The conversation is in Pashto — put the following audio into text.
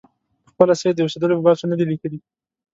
پخپله سید د اوسېدلو په باب څه نه دي لیکلي.